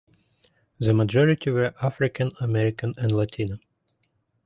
The majority were African American and Latino.